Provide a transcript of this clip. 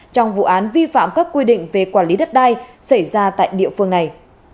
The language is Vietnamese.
trong vụ án vi phạm các quy định về quản lý đất đai xảy ra tại địa phương này